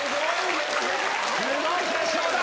すごい決勝だ。